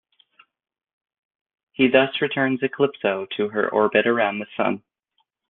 He thus returns Eclipso to her orbit around the sun.